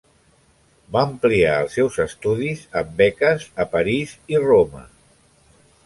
Va ampliar els seus estudis amb beques a París i Roma.